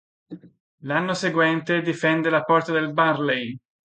L'anno seguente difende la porta del Burnley.